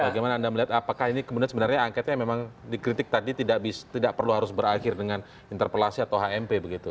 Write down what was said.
bagaimana anda melihat apakah ini kemudian sebenarnya angketnya memang dikritik tadi tidak perlu harus berakhir dengan interpelasi atau hmp begitu